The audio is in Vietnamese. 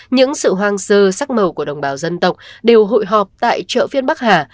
những sự hoang sơ sắc màu của đồng bào dân tộc đều hội họp tại chợ phiên bắc hà